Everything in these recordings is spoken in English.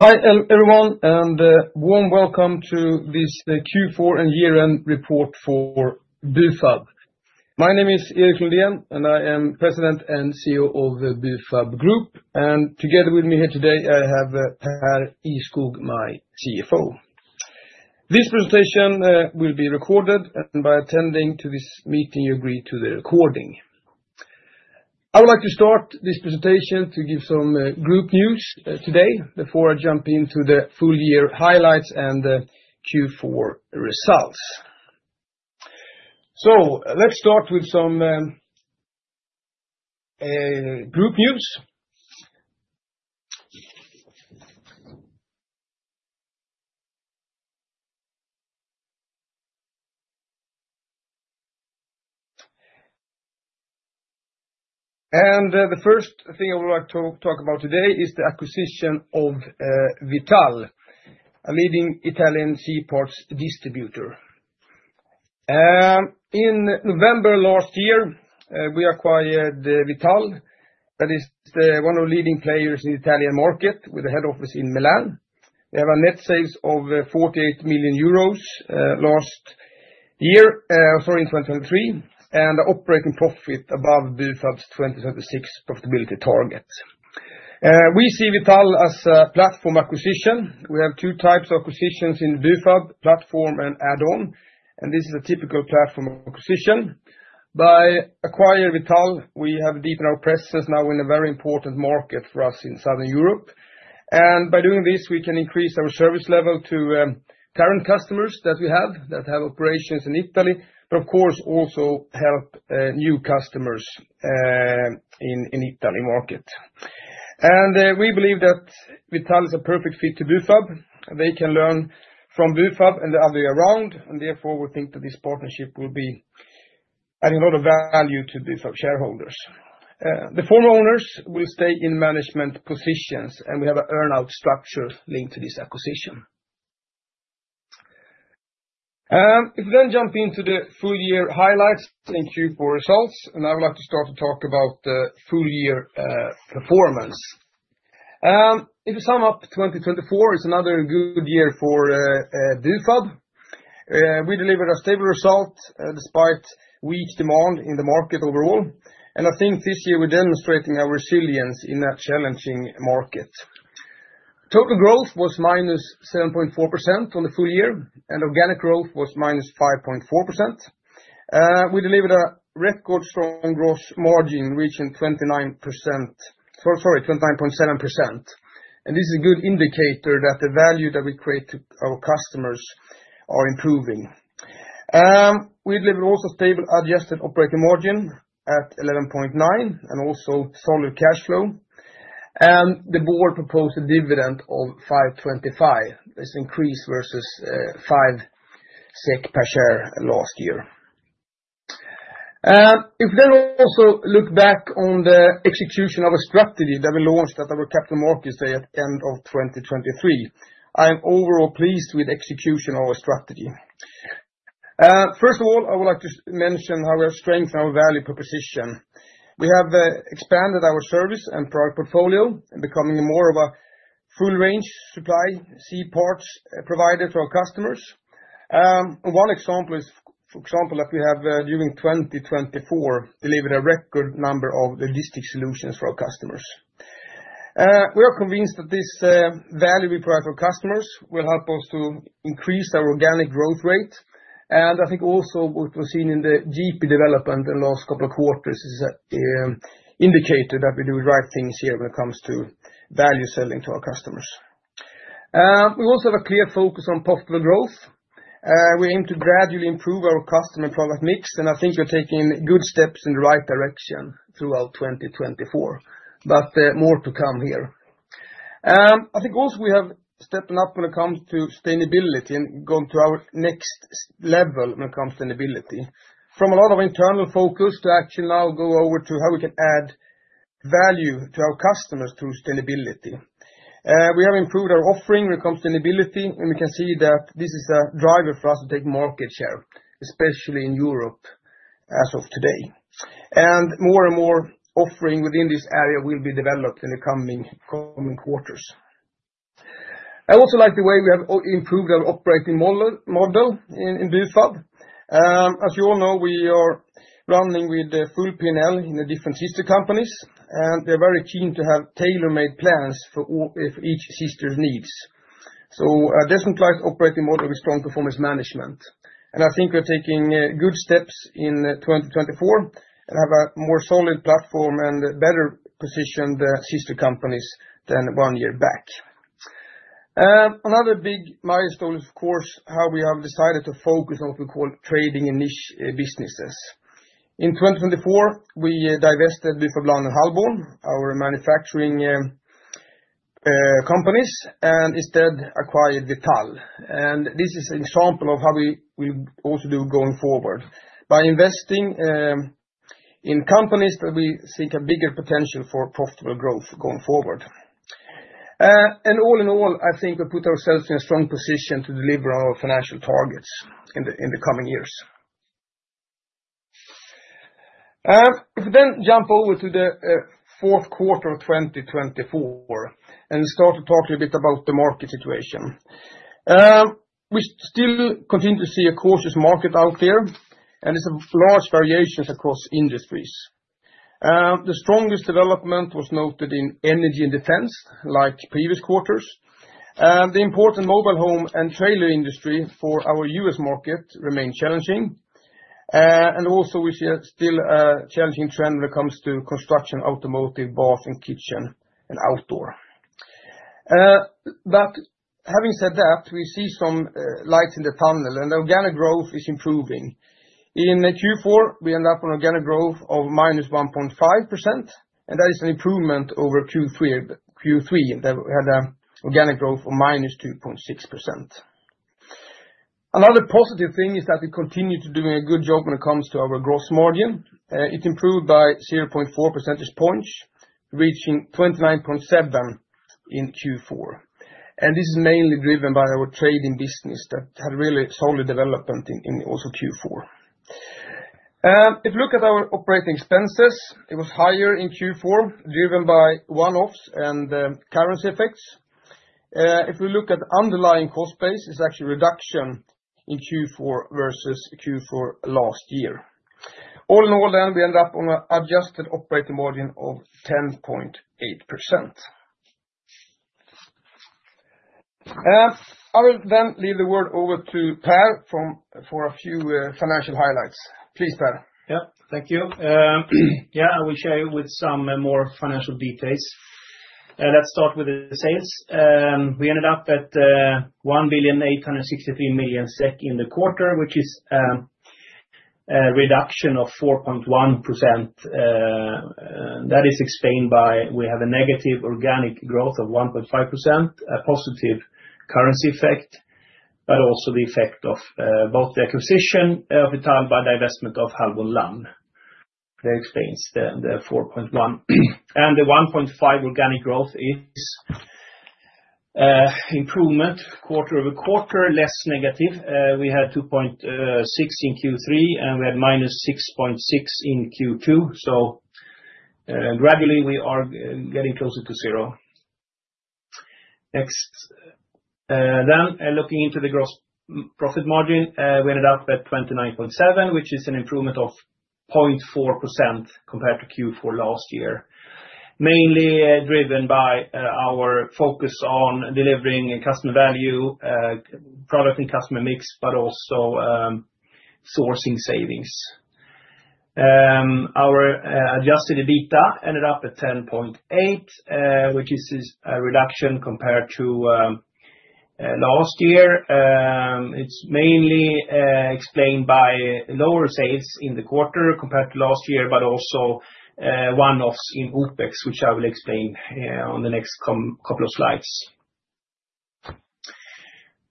Hi, everyone, and a warm welcome to this Q4 and year-end report for Bufab. My name is Erik Lundén, and I am President and CEO of the Bufab Group. And together with me here today, I have Pär Ihrskog, my CFO. This presentation will be recorded, and by attending to this meeting, you agree to the recording. I would like to start this presentation to give some group news today before I jump into the full year highlights and the Q4 results. So let's start with some group news. And the first thing I would like to talk about today is the acquisition of Vital, a leading Italian C-parts distributor. In November last year, we acquired Vital. That is one of the leading players in the Italian market with a head office in Milan. They have a net sales of 48 million euros last year, sorry, in 2023, and an operating profit above Bufab's 2026 profitability target. We see Vital as a platform acquisition. We have two types of acquisitions in Bufab: platform and add-on. And this is a typical platform acquisition. By acquiring Vital, we have deepened our presence now in a very important market for us in Southern Europe. And by doing this, we can increase our service level to current customers that we have that have operations in Italy, but of course, also help new customers in the Italian market. And we believe that Vital is a perfect fit to Bufab. They can learn from Bufab and the other way around. And therefore, we think that this partnership will be adding a lot of value to Bufab shareholders. The former owners will stay in management positions, and we have an earn-out structure linked to this acquisition. If we then jump into the full year highlights. Thank you for the results, and I would like to start to talk about the full year performance. If we sum up 2024, it's another good year for Bufab. We delivered a stable result despite weak demand in the market overall, and I think this year we're demonstrating our resilience in a challenging market. Total growth was -7.4% on the full year, and organic growth was -5.4%. We delivered a record-strong gross margin reaching 29%, sorry, 29.7%, and this is a good indicator that the value that we create to our customers is improving. We delivered also stable adjusted operating margin at 11.9% and also solid cash flow, and the board proposed a dividend of 5.25%. This increase versus five SEK per share last year. If we then also look back on the execution of a strategy that we launched at our Capital Markets Day at the end of 2023, I am overall pleased with the execution of our strategy. First of all, I would like to mention how we have strengthened our value proposition. We have expanded our service and product portfolio and become more of a full-range supply C-parts provider to our customers. One example is, for example, that we have during 2024 delivered a record number of logistics solutions for our customers. We are convinced that this value we provide for customers will help us to increase our organic growth rate. And I think also what was seen in the GP development in the last couple of quarters is an indicator that we do the right things here when it comes to value selling to our customers. We also have a clear focus on profitable growth. We aim to gradually improve our customer product mix, and I think we're taking good steps in the right direction throughout 2024, but more to come here. I think also we have stepped up when it comes to sustainability and gone to our next level when it comes to sustainability. From a lot of internal focus to action. Now go over to how we can add value to our customers through sustainability. We have improved our offering when it comes to sustainability, and we can see that this is a driver for us to take market share, especially in Europe as of today. And more and more offerings within this area will be developed in the coming quarters. I also like the way we have improved our operating model in Bufab. As you all know, we are running with full P&L in the different sister companies, and they're very keen to have tailor-made plans for each sister's needs. So a decentralized operating model with strong performance management. And I think we're taking good steps in 2024 and have a more solid platform and better positioned sister companies than one year back. Another big milestone is, of course, how we have decided to focus on what we call trading in niche businesses. In 2024, we divested Bufab Lann AB and Hallborn, our manufacturing companies, and instead acquired Vital. And this is an example of how we will also do going forward by investing in companies that we see have bigger potential for profitable growth going forward. All in all, I think we put ourselves in a strong position to deliver our financial targets in the coming years. If we then jump over to the fourth quarter of 2024 and start to talk a little bit about the market situation. We still continue to see a cautious market out there, and there's a large variation across industries. The strongest development was noted in energy and defense, like previous quarters. The important mobile home and trailer industry for our U.S. market remains challenging. And also, we see still a challenging trend when it comes to construction, automotive, bath and kitchen, and outdoor. But having said that, we see some lights in the tunnel, and the organic growth is improving. In Q4, we ended up with an organic growth of -1.5%, and that is an improvement over Q3 that we had an organic growth of -2.6%. Another positive thing is that we continue to do a good job when it comes to our gross margin. It improved by 0.4 percentage points, reaching 29.7% in Q4. And this is mainly driven by our trading business that had really solid development in also Q4. If we look at our operating expenses, it was higher in Q4, driven by one-offs and currency effects. If we look at underlying cost base, it's actually a reduction in Q4 versus Q4 last year. All in all, then we ended up with an adjusted operating margin of 10.8%. I will then hand the word over to Pär for a few financial highlights. Please, Pär. Yeah, thank you. Yeah, I will share with you some more financial details. Let's start with the sales. We ended up at 1,863 million SEK in the quarter, which is a reduction of 4.1%. That is explained by we have a negative organic growth of 1.5%, a positive currency effect, but also the effect of both the acquisition of Vital and the divestment of Hallborn and Lann. That explains the 4.1%. And the 1.5% organic growth is improvement quarter-over-quarter, less negative. We had -2.6% in Q3, and we had -6.6% in Q2. So gradually, we are getting closer to zero. Next. Then looking into the gross profit margin, we ended up at 29.7%, which is an improvement of 0.4% compared to Q4 last year, mainly driven by our focus on delivering customer value, product and customer mix, but also sourcing savings. Our adjusted EBITDA ended up at 10.8%, which is a reduction compared to last year. It's mainly explained by lower sales in the quarter compared to last year, but also one-offs in OpEx, which I will explain on the next couple of slides,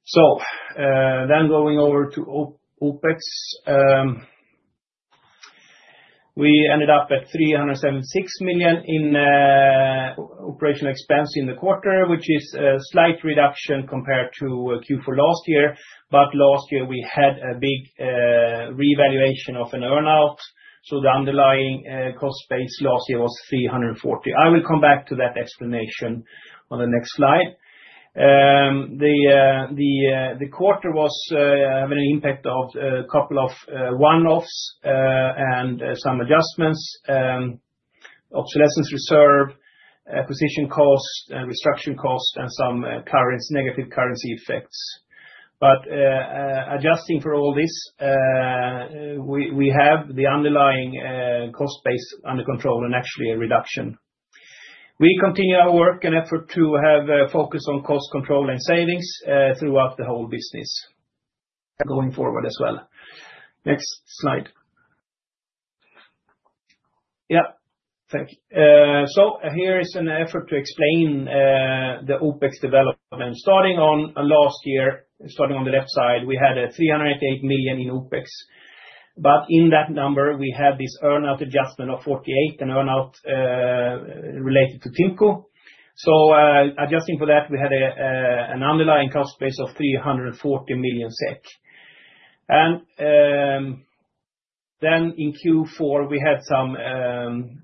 so then going over to OpEx, we ended up at 376 million in operational expense in the quarter, which is a slight reduction compared to Q4 last year. But last year, we had a big revaluation of an earn-out, so the underlying cost base last year was 340. I will come back to that explanation on the next slide. The quarter was having an impact of a couple of one-offs and some adjustments: obsolescence reserve, acquisition cost, and restructuring cost, and some negative currency effects. But adjusting for all this, we have the underlying cost base under control and actually a reduction. We continue our work and effort to have a focus on cost control and savings throughout the whole business. Going forward as well. Next slide. Yeah, thank you. So here is an effort to explain theOpEx development. Starting on last year, starting on the left side, we had 388 million in OpEx. But in that number, we had this earn-out adjustment of 48 and earn-out related to TIMCO. So adjusting for that, we had an underlying cost base of 340 million SEK. And then in Q4, we had some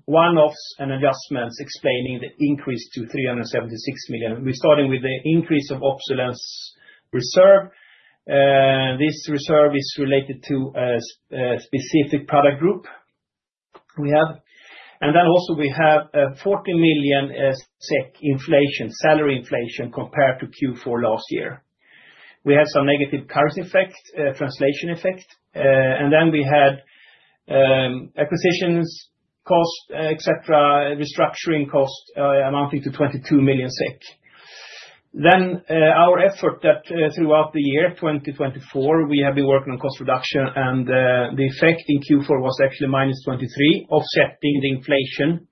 one-offs and adjustments explaining the increase to 376 million. We're starting with the increase of obsolescence reserve. This reserve is related to a specific product group we have. And then also, we have 40 million SEK inflation, salary inflation compared to Q4 last year. We had some negative currency effect, translation effect. And then we had acquisition costs, etc., restructuring costs amounting to 22 million SEK. Then our efforts that throughout the year 2024, we have been working on cost reduction, and the effect in Q4 was actually minus 23 million, offsetting the inflation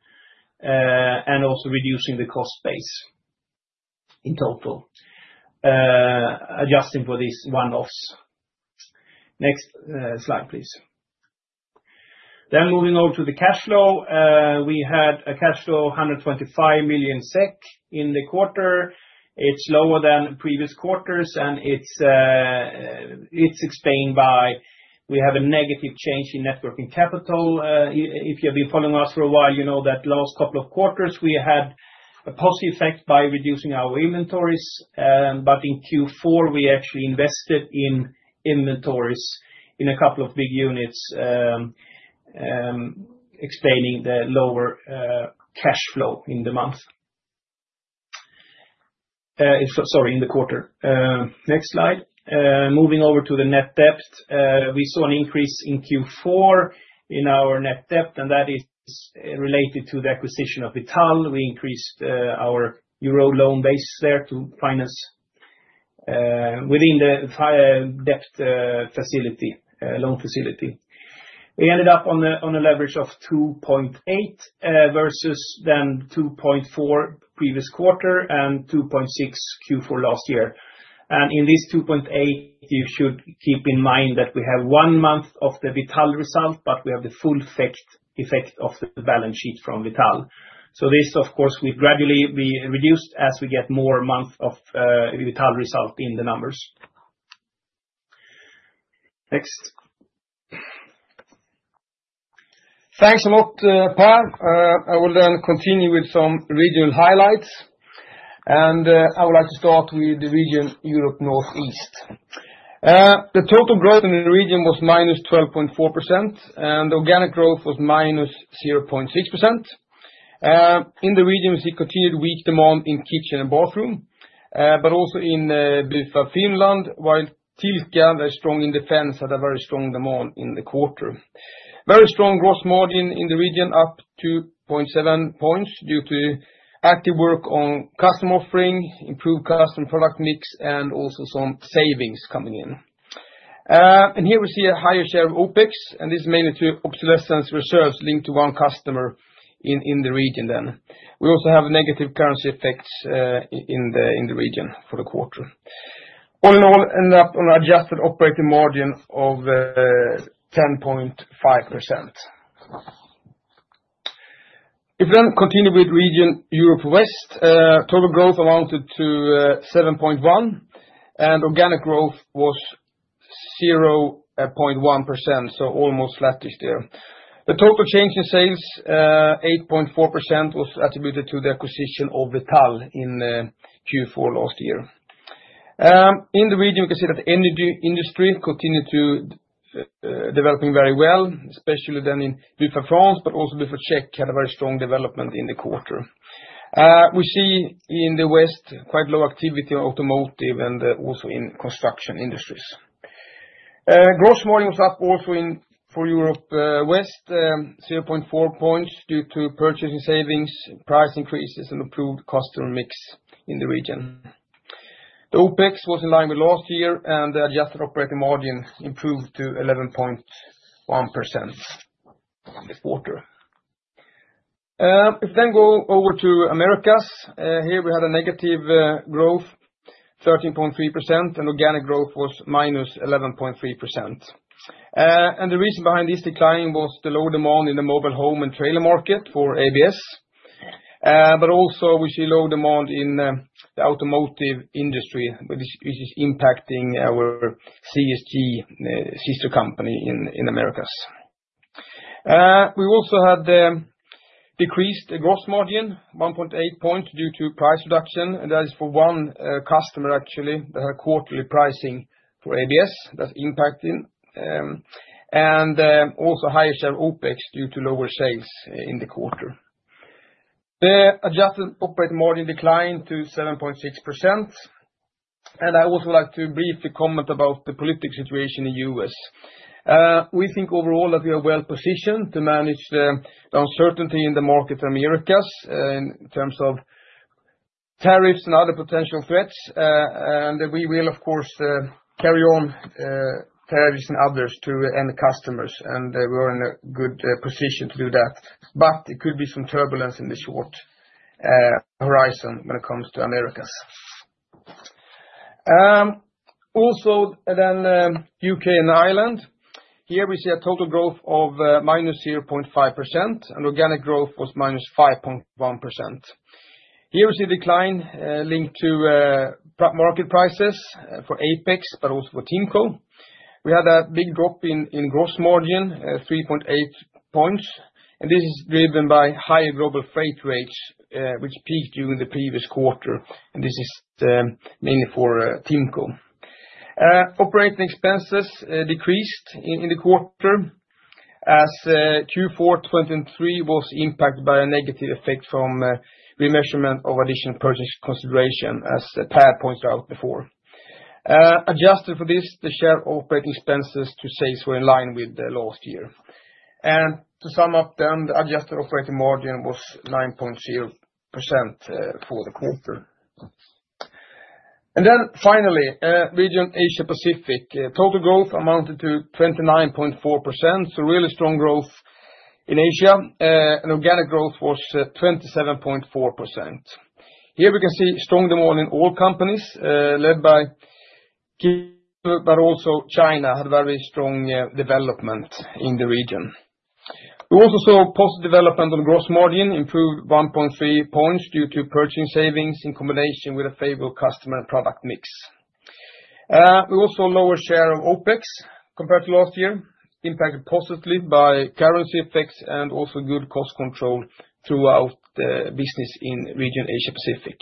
and also reducing the cost base in total, adjusting for these one-offs. Next slide, please. Then moving over to the cash flow, we had a cash flow of 125 million SEK in the quarter. It's lower than previous quarters, and it's explained by we have a negative change in working capital. If you have been following us for a while, you know that last couple of quarters, we had a positive effect by reducing our inventories. But in Q4, we actually invested in inventories in a couple of big units, explaining the lower cash flow in the month, sorry, in the quarter. Next slide. Moving over to the net debt, we saw an increase in Q4 in our net debt, and that is related to the acquisition of Vital. We increased our euro loan base there to finance within the debt facility, loan facility. We ended up on a leverage of 2.8% versus then 2.4% previous quarter and 2.6% Q4 last year, and in this 2.8%, you should keep in mind that we have one month of the Vital result, but we have the full effect of the balance sheet from Vital. So this, of course, we gradually reduced as we get more months of Vital result in the numbers. Next. Thanks a lot, Pär. I will then continue with some regional highlights, and I would like to start with the region, Europe Northeast. The total growth in the region was -12.4%, and the organic growth was -0.6%. In the region, we see continued weak demand in kitchen and bathroom, but also in Bufab Finland, while Tilka, very strong in defense, had a very strong demand in the quarter. Very strong gross margin in the region, up 2.7 points due to active work on customer offering, improved customer product mix, and also some savings coming in, and here we see a higher share of OpEx, and this is mainly to obsolescence reserves linked to one customer in the region then. We also have negative currency effects in the region for the quarter. All in all, ended up on an adjusted operating margin of 10.5%. If we then continue with region, Europe West, total growth amounted to 7.1%, and organic growth was 0.1%, so almost flat this year. The total change in sales, 8.4%, was attributed to the acquisition of Vital in Q4 last year. In the region, we can see that energy industry continued to develop very well, especially then in Bufab France, but also Bufab Czech had a very strong development in the quarter. We see in the West quite low activity in automotive and also in construction industries. Gross margin was up also for Europe West, 0.4 points due to purchasing savings, price increases, and improved customer mix in the region. The OpEx was in line with last year, and the adjusted operating margin improved to 11.1% in the quarter. If we then go over to Americas, here we had a negative growth, 13.3%, and organic growth was -11.3%, and the reason behind this decline was the low demand in the mobile home and trailer market for ABS, but also, we see low demand in the automotive industry, which is impacting our CSG sister company in Americas. We also had decreased gross margin, 1.8 points due to price reduction. That is for one customer, actually, that had a quarterly pricing for ABS that's impacting. And also higher share of OpEx due to lower sales in the quarter. The adjusted operating margin declined to 7.6%. And I also like to briefly comment about the political situation in the U.S. We think overall that we are well positioned to manage the uncertainty in the market in Americas in terms of tariffs and other potential threats. And we will, of course, carry on tariffs and others to end customers, and we are in a good position to do that. But it could be some turbulence in the short horizon when it comes to Americas. Also, then U.K. and Ireland. Here we see a total growth of -0.5%, and organic growth was -5.1%. Here we see a decline linked to market prices for Apex, but also for TIMCO. We had a big drop in gross margin, 3.8 points, and this is driven by higher global freight rates, which peaked during the previous quarter, and this is mainly for TIMCO. Operating expenses decreased in the quarter as Q4 2023 was impacted by a negative effect from remeasurement of additional purchase consideration, as Pär points out before. Adjusted for this, the share of operating expenses to sales were in line with last year, and to sum up, then the adjusted operating margin was 9.0% for the quarter, and then finally, region Asia Pacific, total growth amounted to 29.4%, so really strong growth in Asia, and organic growth was 27.4%. Here we can see strong demand in all companies, led by Kian Soon, but also China had very strong development in the region. We also saw positive development on gross margin, improved 1.3 points due to purchasing savings in combination with a favorable customer and product mix. We also saw a lower share of OpEx compared to last year, impacted positively by currency effects and also good cost control throughout the business in region Asia Pacific.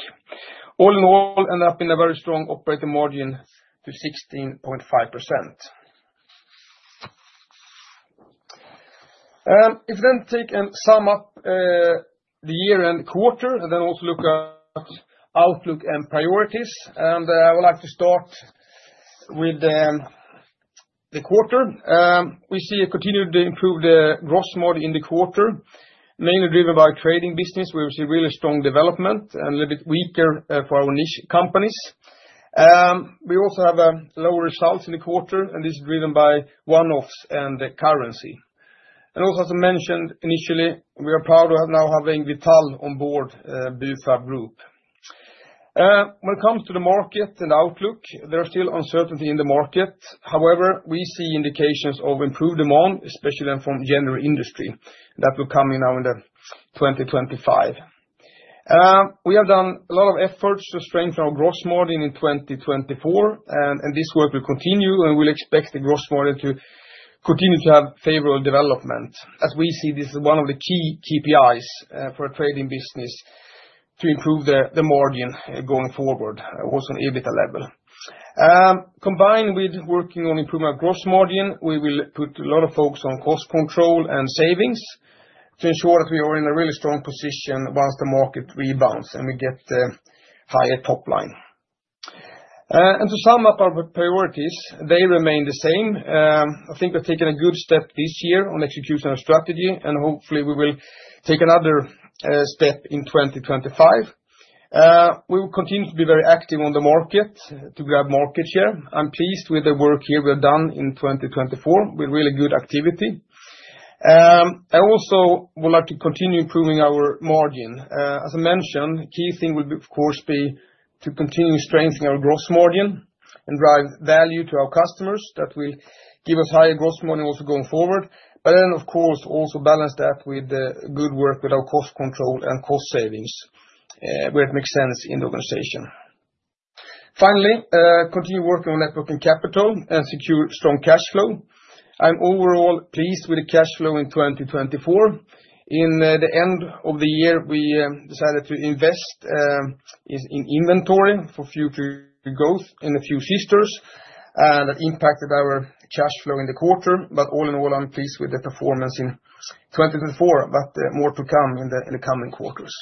All in all, ended up in a very strong operating margin to 16.5%. If we then take and sum up the year and quarter, and then also look at outlook and priorities, and I would like to start with the quarter. We see a continued improved gross margin in the quarter, mainly driven by trading business, where we see really strong development and a little bit weaker for our niche companies. We also have lower results in the quarter, and this is driven by one-offs and the currency. And also, as I mentioned initially, we are proud of now having Vital on board Bufab Group. When it comes to the market and outlook, there is still uncertainty in the market. However, we see indications of improved demand, especially from general industry, that will come in now in the 2025. We have done a lot of efforts to strengthen our gross margin in 2024, and this work will continue, and we'll expect the gross margin to continue to have favorable development. As we see, this is one of the key KPIs for a trading business to improve the margin going forward, also on EBITDA level. Combined with working on improving our gross margin, we will put a lot of focus on cost control and savings to ensure that we are in a really strong position once the market rebounds and we get a higher top line. And to sum up our priorities, they remain the same. I think we've taken a good step this year on execution of strategy, and hopefully, we will take another step in 2025. We will continue to be very active on the market to grab market share. I'm pleased with the work here we have done in 2024 with really good activity. I also would like to continue improving our margin. As I mentioned, the key thing will, of course, be to continue strengthening our gross margin and drive value to our customers that will give us higher gross margin also going forward. But then, of course, also balance that with good work with our cost control and cost savings where it makes sense in the organization. Finally, continue working on working capital and secure strong cash flow. I'm overall pleased with the cash flow in 2024. In the end of the year, we decided to invest in inventory for future growth in a few sectors, and that impacted our cash flow in the quarter. All in all, I'm pleased with the performance in 2024, but more to come in the coming quarters.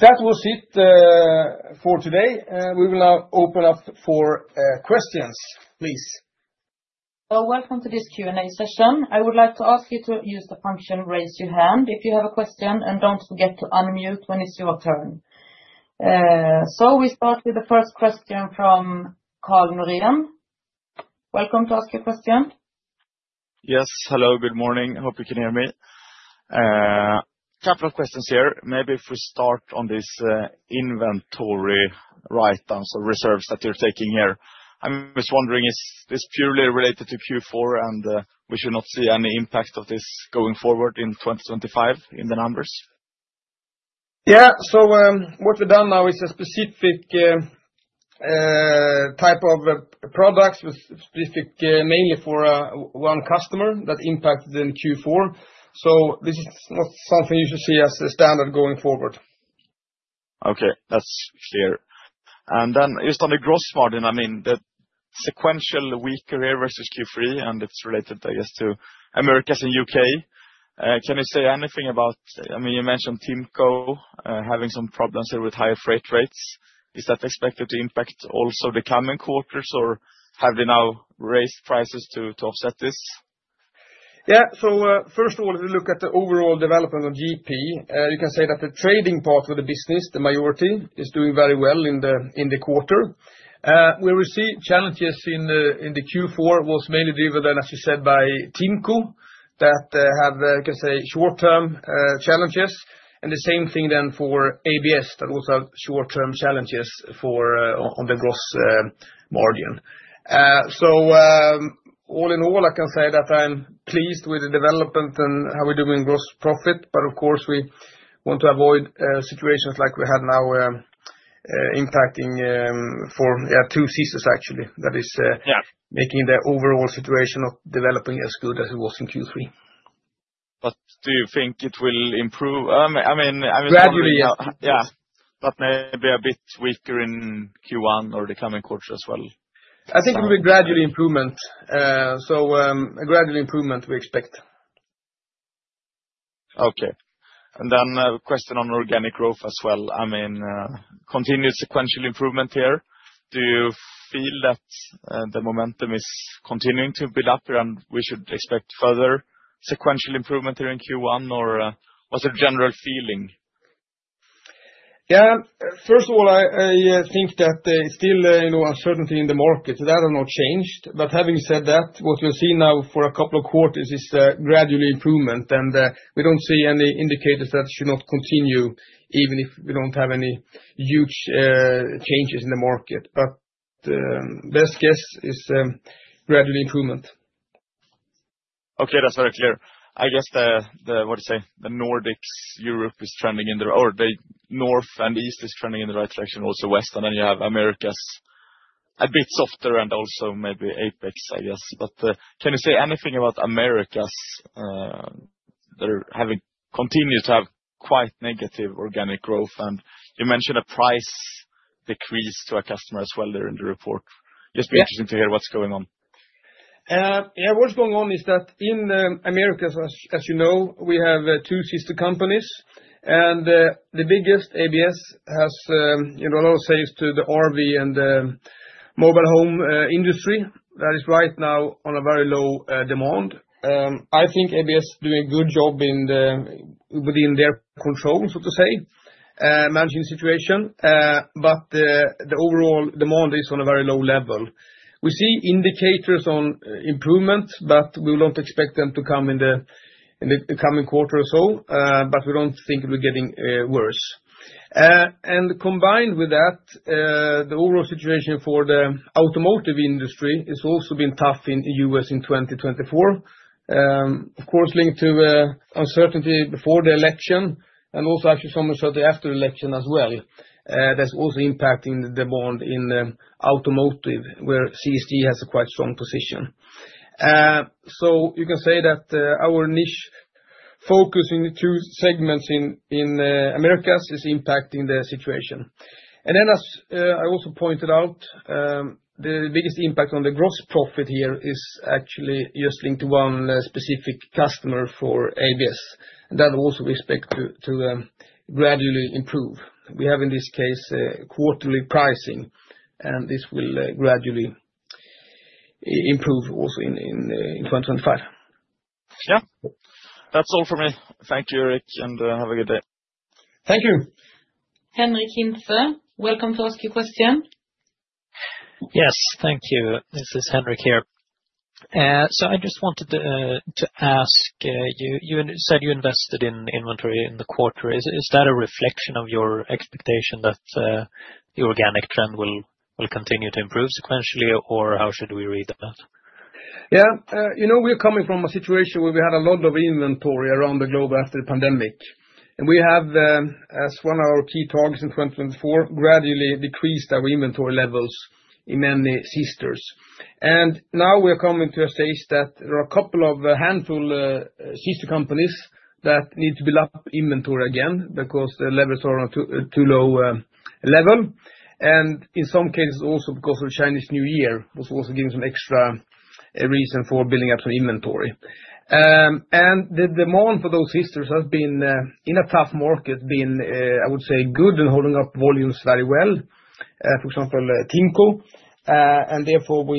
That was it for today. We will now open up for questions, please. Welcome to this Q&A session. I would like to ask you to use the function, raise your hand if you have a question, and don't forget to unmute when it's your turn. So we start with the first question from Carl Norén. Welcome to ask your question. Yes, hello, good morning. Hope you can hear me. A couple of questions here. Maybe if we start on this inventory write-down, so reserves that you're taking here. I'm just wondering, is this purely related to Q4, and we should not see any impact of this going forward in 2025 in the numbers? Yeah, so what we've done now is a specific type of products with specific, mainly for one customer that impacted in Q4. So this is not something you should see as a standard going forward. Okay, that's clear. And then just on the gross margin, I mean, the sequential weaker year versus Q3, and it's related, I guess, to Americas and U.K. Can you say anything about, I mean, you mentioned TIMCO having some problems here with higher freight rates. Is that expected to impact also the coming quarters, or have they now raised prices to offset this? Yeah, so first of all, we look at the overall development of GP. You can say that the trading part of the business, the majority, is doing very well in the quarter. Where we see challenges in the Q4 was mainly driven then, as you said, by TIMCO that have, you can say, short-term challenges, and the same thing then for ABS that also have short-term challenges on the gross margin, so all in all, I can say that I'm pleased with the development and how we're doing gross profit, but of course, we want to avoid situations like we had now impacting for two seasons, actually, that is making the overall situation of developing as good as it was in Q3. But do you think it will improve? I mean, gradually, yeah, but maybe a bit weaker in Q1 or the coming quarter as well. I think it will be a gradual improvement, so a gradual improvement we expect. Okay. And then a question on organic growth as well. I mean, continued sequential improvement here. Do you feel that the momentum is continuing to build up here, and we should expect further sequential improvement here in Q1, or what's the general feeling? Yeah, first of all, I think that still uncertainty in the market, so that has not changed. But having said that, what we'll see now for a couple of quarters is a gradual improvement, and we don't see any indicators that should not continue, even if we don't have any huge changes in the market. But best guess is gradual improvement. Okay, that's very clear. I guess the, what do you say, the Nordics, Europe is trending in the right, or the North and East is trending in the right direction, also West. And then you have Americas a bit softer and also maybe Apex, I guess. But can you say anything about Americas that are having continued to have quite negative organic growth? And you mentioned a price decrease to a customer as well during the report. Just be interesting to hear what's going on. Yeah, what's going on is that in Americas, as you know, we have two sister companies. And the biggest, ABS, has a lot of sales to the RV and the mobile home industry that is right now on a very low demand. I think ABS is doing a good job within their control, so to say, managing the situation. But the overall demand is on a very low level. We see indicators on improvement, but we will not expect them to come in the coming quarter or so. But we don't think it will be getting worse. And combined with that, the overall situation for the automotive industry has also been tough in the U.S. in 2024, of course, linked to uncertainty before the election and also, actually, some uncertainty after the election as well. That's also impacting the demand in automotive, where CSG has a quite strong position. So you can say that our niche focus in the two segments in Americas is impacting the situation. And then, as I also pointed out, the biggest impact on the gross profit here is actually just linked to one specific customer for ABS, and that also we expect to gradually improve. We have, in this case, quarterly pricing, and this will gradually improve also in 2025. Yeah, that's all for me. Thank you, Erik, and have a good day. Thank you. Henric Hintze, welcome to ask your question. Yes, thank you. This is Henric here. So I just wanted to ask you. You said you invested in inventory in the quarter. Is that a reflection of your expectation that the organic trend will continue to improve sequentially, or how should we read that? Yeah, you know, we're coming from a situation where we had a lot of inventory around the globe after the pandemic. And we have, as one of our key targets in 2024, gradually decreased our inventory levels in many sister companies. And now we are coming to a stage that there are a couple of handfuls of sister companies that need to build up inventory again because the levels are on a too low level. And in some cases, also because of the Chinese New Year was also giving some extra reason for building up some inventory. The demand for those sisters has been, in a tough market, I would say, good and holding up volumes very well, for example, TIMCO. Therefore, we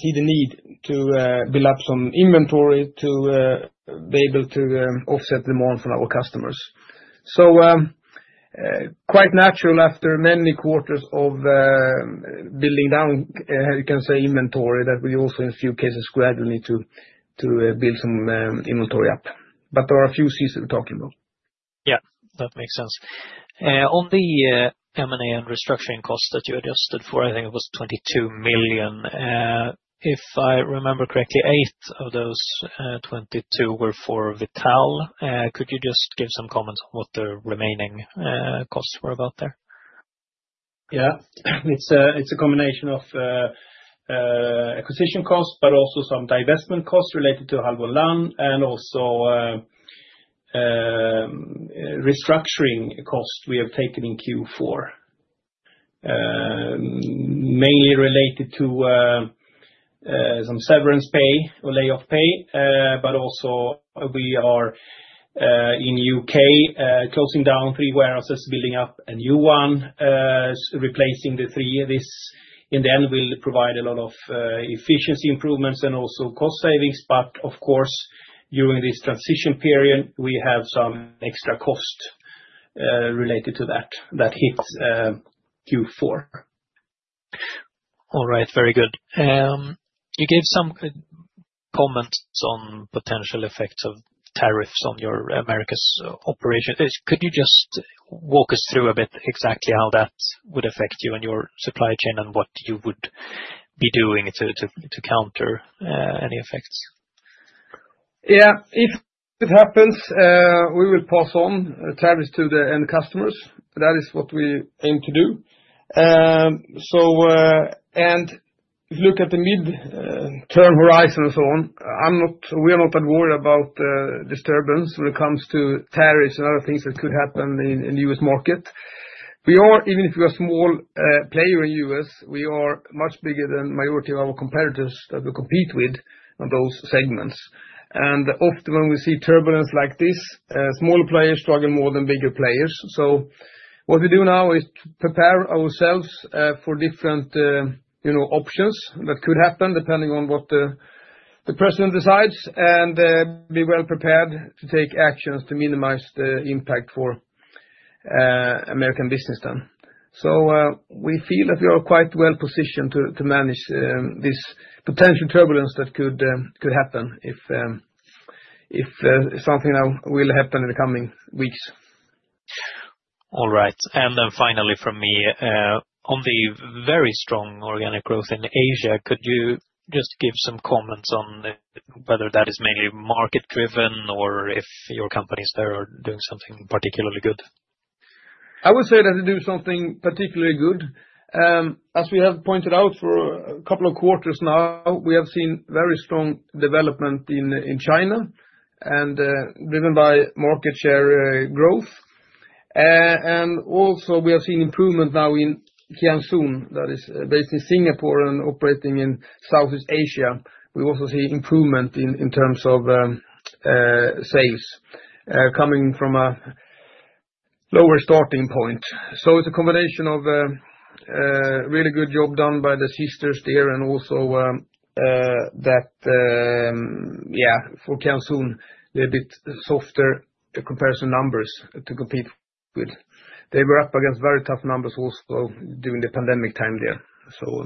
see the need to build up some inventory to be able to offset the demand from our customers. So quite natural, after many quarters of building down, you can say, inventory, that we also, in a few cases, gradually need to build some inventory up. But there are a few reasons we're talking about. Yeah, that makes sense. On the M&A and restructuring costs that you adjusted for, I think it was 22 million. If I remember correctly, eight of those 22 million were for Vital. Could you just give some comments on what the remaining costs were about there? Yeah, it's a combination of acquisition costs, but also some divestment costs related to Hallborn and Lann and also restructuring costs we have taken in Q4, mainly related to some severance pay or layoff pay, but also, we are in the U.K. closing down three warehouses, building up a new one, replacing the three. This, in the end, will provide a lot of efficiency improvements and also cost savings, but of course, during this transition period, we have some extra cost related to that that hits Q4. All right, very good. You gave some comments on potential effects of tariffs on your Americas operations. Could you just walk us through a bit exactly how that would affect you and your supply chain and what you would be doing to counter any effects? Yeah, if it happens, we will pass on tariffs to the end customers. That is what we aim to do. And if you look at the mid-term horizon and so on, we are not that worried about disturbance when it comes to tariffs and other things that could happen in the U.S. market. We are, even if we are a small player in the U.S., we are much bigger than the majority of our competitors that we compete with on those segments. And often, when we see turbulence like this, smaller players struggle more than bigger players. So what we do now is prepare ourselves for different options that could happen depending on what the president decides and be well prepared to take actions to minimize the impact for American business then. So we feel that we are quite well positioned to manage this potential turbulence that could happen if something will happen in the coming weeks. All right. And then finally from me, on the very strong organic growth in Asia, could you just give some comments on whether that is mainly market-driven or if your companies there are doing something particularly good? I would say that they do something particularly good. As we have pointed out for a couple of quarters now, we have seen very strong development in China, driven by market share growth. And also, we have seen improvement now in Kian Soon that is based in Singapore and operating in Southeast Asia. We also see improvement in terms of sales coming from a lower starting point. So it's a combination of a really good job done by the sisters there and also that, yeah, for Kian Soon, they're a bit softer comparison numbers to compete with. They were up against very tough numbers also during the pandemic time there.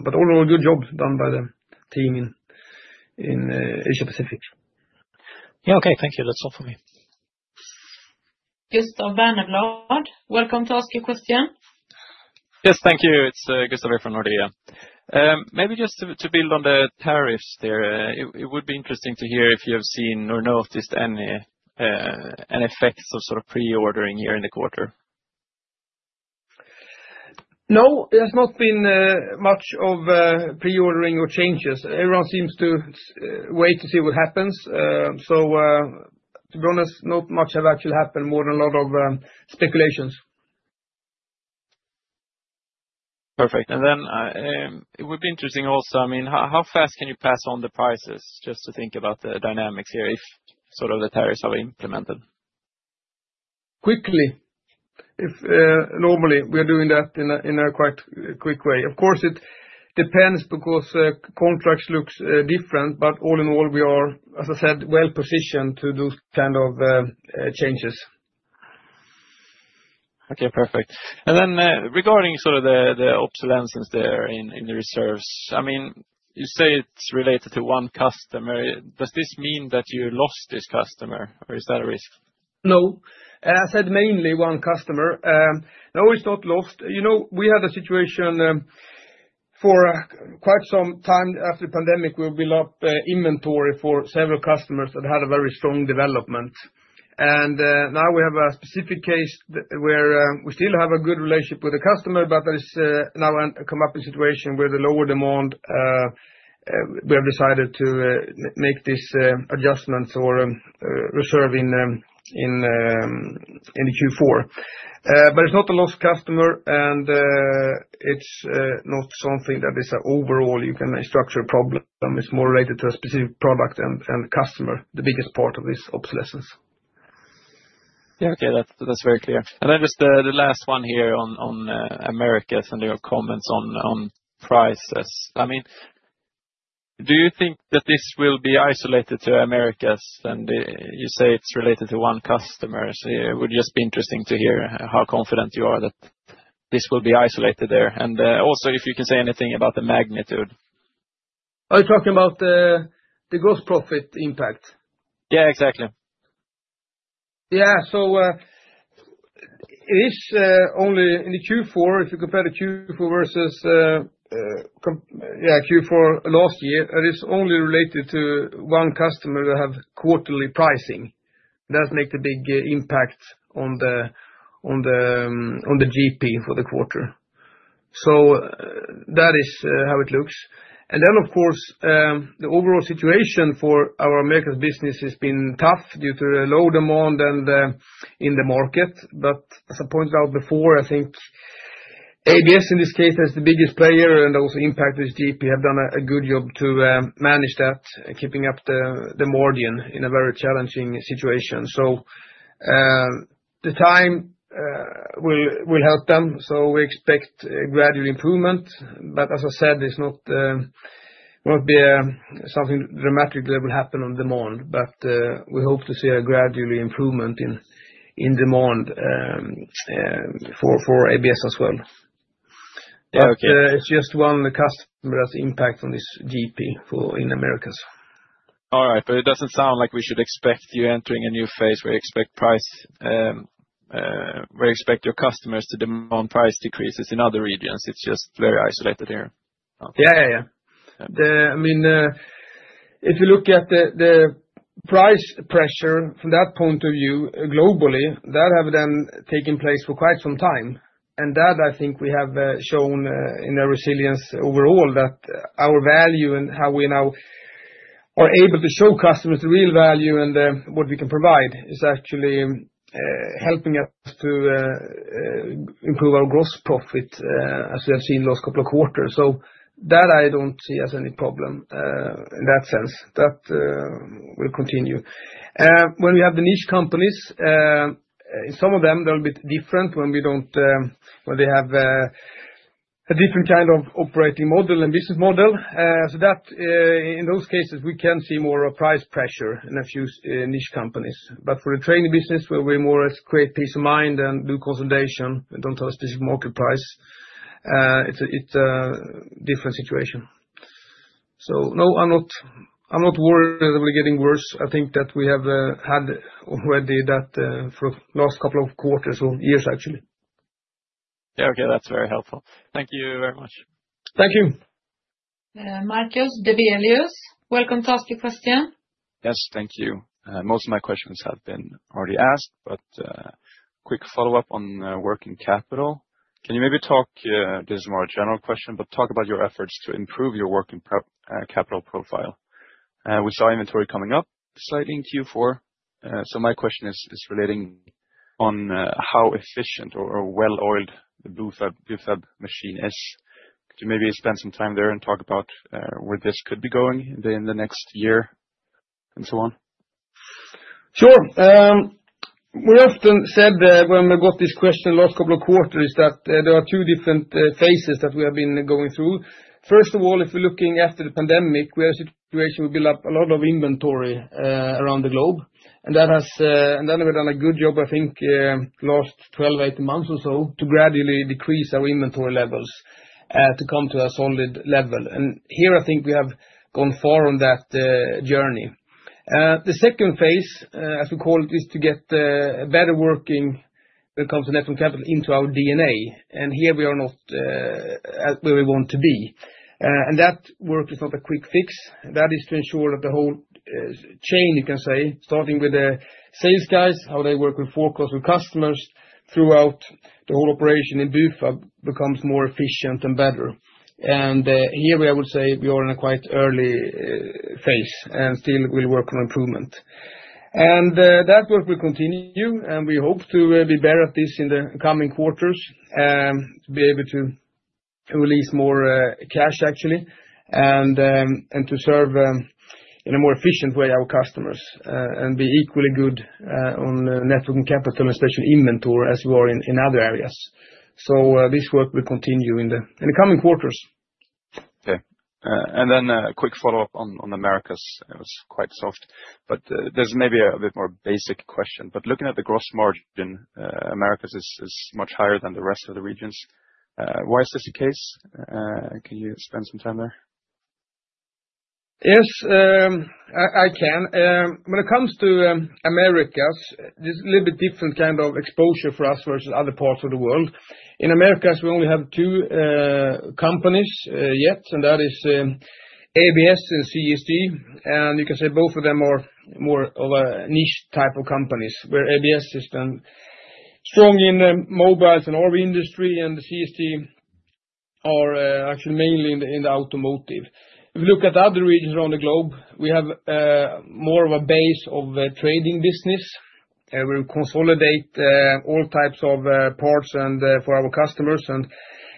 But overall, good job done by the team in Asia-Pacific. Yeah, okay, thank you. That's all for me. Gustav Berneblad, welcome to ask your question. Yes, thank you. It's Gustav here from Nordea. Maybe just to build on the tariffs there, it would be interesting to hear if you have seen or noticed any effects of sort of pre-ordering here in the quarter. No, there's not been much of pre-ordering or changes. Everyone seems to wait to see what happens. So to be honest, not much has actually happened more than a lot of speculations. Perfect. And then it would be interesting also, I mean, how fast can you pass on the prices just to think about the dynamics here if sort of the tariffs are implemented? Quickly. Normally, we are doing that in a quite quick way. Of course, it depends because contracts look different. But all in all, we are, as I said, well positioned to do kind of changes. Okay, perfect. And then, regarding sort of the obsolescence there in the reserves, I mean, you say it's related to one customer. Does this mean that you lost this customer, or is that a risk? No. As I said, mainly one customer. No, it's not lost. You know, we had a situation for quite some time after the pandemic where we built up inventory for several customers that had a very strong development. And now we have a specific case where we still have a good relationship with the customer, but there's now come up a situation where the lower demand, we have decided to make these adjustments or reserve in Q4. But it's not a lost customer, and it's not something that is an overall customer structure problem. It's more related to a specific product and customer, the biggest part of this obsolescence. Yeah, okay, that's very clear. And then just the last one here on Americas and your comments on prices. I mean, do you think that this will be isolated to Americas? And you say it's related to one customer. So it would just be interesting to hear how confident you are that this will be isolated there. And also, if you can say anything about the magnitude. Are you talking about the gross profit impact? Yeah, exactly. Yeah, so it is only in the Q4, if you compare the Q4 versus, yeah, Q4 last year, it is only related to one customer that have quarterly pricing. That makes a big impact on the GP for the quarter. So that is how it looks. And then, of course, the overall situation for our Americas business has been tough due to the low demand in the market. But as I pointed out before, I think ABS in this case has the biggest player and also impacted its GP. They have done a good job to manage that, keeping up the margin in a very challenging situation. So the time will help them. So we expect a gradual improvement. But as I said, it's not going to be something dramatic that will happen on demand. But we hope to see a gradual improvement in demand for ABS as well. But it's just one customer that's impacted on this GP in Americas. All right. But it doesn't sound like we should expect you entering a new phase where you expect price, where you expect your customers to demand price decreases in other regions. It's just very isolated here. Yeah, yeah, yeah. I mean, if you look at the price pressure from that point of view globally, that has been taking place for quite some time, and that, I think, we have shown in our resilience overall that our value and how we now are able to show customers the real value and what we can provide is actually helping us to improve our gross profit as we have seen the last couple of quarters, so that I don't see as any problem in that sense. That will continue. When we have the niche companies, in some of them, they're a bit different when we don't, when they have a different kind of operating model and business model, so that, in those cases, we can see more price pressure in a few niche companies. But for the training business, where we more create peace of mind and do consolidation and don't have a specific market price, it's a different situation. So no, I'm not worried that we're getting worse. I think that we have had already that for the last couple of quarters or years, actually. Yeah, okay, that's very helpful. Thank you very much. Thank you. Markus Almerud, welcome to ask your question. Yes, thank you. Most of my questions have been already asked, but quick follow-up on working capital. Can you maybe talk, this is more a general question, but talk about your efforts to improve your working capital profile? We saw inventory coming up slightly in Q4. So my question is relating on how efficient or well-oiled the Bufab machine is. Could you maybe spend some time there and talk about where this could be going in the next year and so on? Sure. We often said when we got this question the last couple of quarters that there are two different phases that we have been going through. First of all, if we're looking after the pandemic, we had a situation where we built up a lot of inventory around the globe. And then we've done a good job, I think, the last 12, 18 months or so to gradually decrease our inventory levels to come to a solid level. And here, I think we have gone far on that journey. The second phase, as we call it, is to get better working when it comes to net working capital into our DNA. And here we are not where we want to be. And that work is not a quick fix. That is to ensure that the whole chain, you can say, starting with the sales guys, how they work with forecast with customers throughout the whole operation in Bufab becomes more efficient and better, and here, I would say we are in a quite early phase and still will work on improvement, and that work will continue, and we hope to be better at this in the coming quarters, to be able to release more cash, actually, and to serve in a more efficient way our customers and be equally good on working capital, especially inventory, as we are in other areas, so this work will continue in the coming quarters. Okay, and then a quick follow-up on Americas. It was quite soft, but there's maybe a bit more basic question, but looking at the gross margin, Americas is much higher than the rest of the regions. Why is this the case? Can you spend some time there? Yes, I can. When it comes to the Americas, it's a little bit different kind of exposure for us versus other parts of the world. In the Americas, we only have two companies yet, and that is ABS and CSG. And you can say both of them are more of a niche type of companies, where ABS has been strong in the mobiles and RV industry, and CSG are actually mainly in the automotive. If you look at other regions around the globe, we have more of a base of trading business. We consolidate all types of parts for our customers and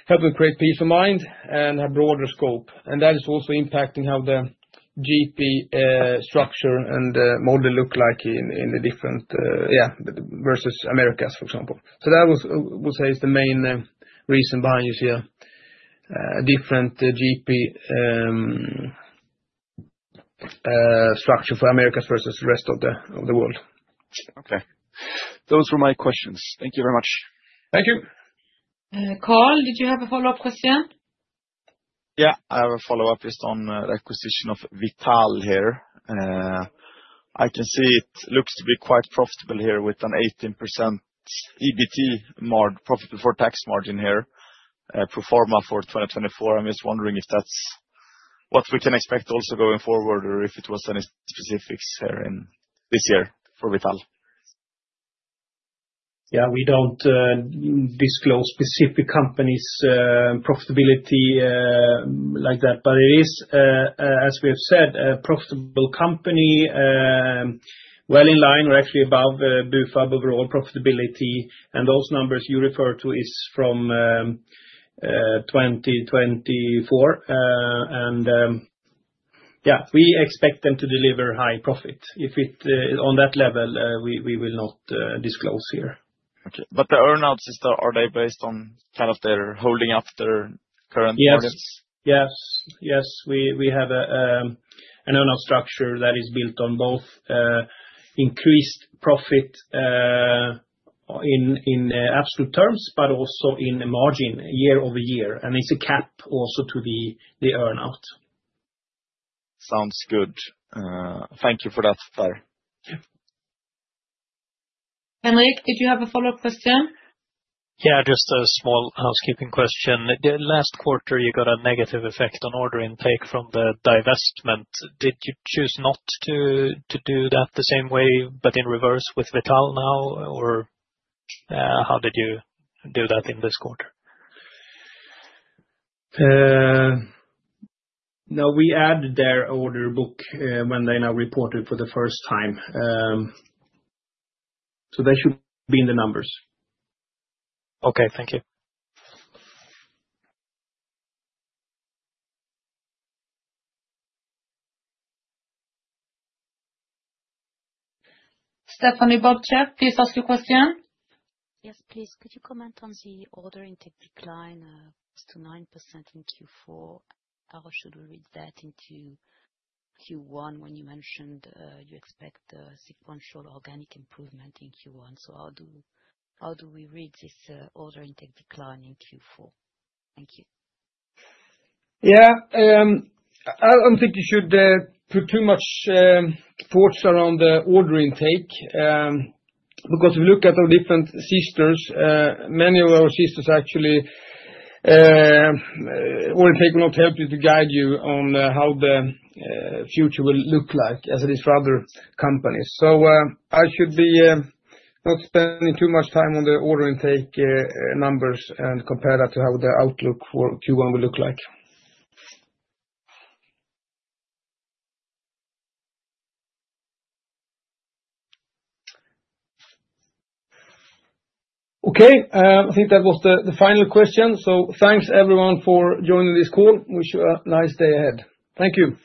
help them create peace of mind and have broader scope. And that is also impacting how the GP structure and model look like in the different. Yeah versus the Americas, for example. So that would say is the main reason behind you see a different GP structure for Americas versus the rest of the world. Okay. Those were my questions. Thank you very much. Thank you. Carl, did you have a follow-up question? Yeah, I have a follow-up just on the acquisition of Vital here. I can see it looks to be quite profitable here with an 18% EBITDA profit before tax margin here, pro forma for 2024. I'm just wondering if that's what we can expect also going forward or if it was any specifics here in this year for Vital. Yeah, we don't disclose specific companies' profitability like that. But it is, as we have said, a profitable company, well in line or actually above Bufab overall profitability. And those numbers you refer to is from 2024. And yeah, we expect them to deliver high profit. If it's on that level, we will not disclose here. Okay. But the earnouts, are they based on kind of their holding up their current audience? Yes. Yes. Yes. We have an earnout structure that is built on both increased profit in absolute terms, but also in margin year-over-year. And it's a cap also to the earnout. Sounds good. Thank you for that, there. Henric, did you have a follow-up question? Yeah, just a small housekeeping question. The last quarter, you got a negative effect on order intake from the divestment. Did you choose not to do that the same way, but in reverse with Vital now, or how did you do that in this quarter? No, we added their order book when they now reported for the first time. So they should be in the numbers. Okay. Thank you. Stephanie Butcher, please ask your question. Yes, please. Could you comment on the order intake decline to 9% in Q4? How should we read that into Q1 when you mentioned you expect sequential organic improvement in Q1? So how do we read this order intake decline in Q4? Thank you. Yeah. I don't think you should put too much thought around the order intake because if you look at our different segments, many of our segments actually order intake will not help you guide you on how the future will look like as it is for other companies. So you should not be spending too much time on the order intake numbers and compare that to how the outlook for Q1 will look like. Okay. I think that was the final question, so thanks, everyone, for joining this call. Wish you a nice day ahead. Thank you.